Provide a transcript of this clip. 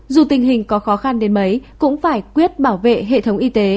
dù tình hình có khó khăn đến mấy cũng phải quyết bảo vệ hệ thống y tế